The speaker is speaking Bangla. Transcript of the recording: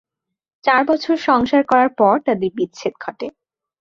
চার বছর সংসার করার পর তাদের বিচ্ছেদ ঘটে।